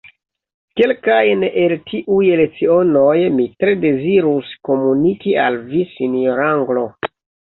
Kelkajn el tiuj lecionoj mi tre dezirus komuniki al vi, sinjor’ anglo.